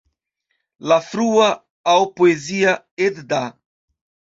La frua aŭ Poezia Edda.